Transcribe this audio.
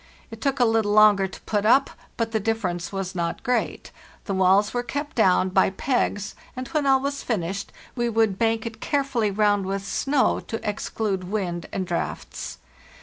It took a little longer to put up, but the difference was not great. The walls were kept down by pegs, and when all was finished we would bank it care fully round with snow to exclude wind and draughts.